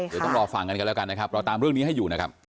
เดี๋ยวต้องรอฟังกันกันแล้วกันนะครับเราตามเรื่องนี้ให้อยู่นะครับ